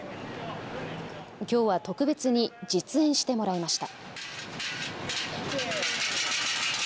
きょうは特別に実演してもらいました。